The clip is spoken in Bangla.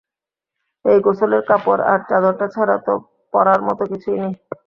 এই গোছলের কাপড় আর চাদরটা ছাড়া তো পরার মতো কিছুই নেই।